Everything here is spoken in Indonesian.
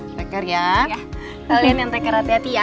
mbak catherine kalian yang take care hati hati ya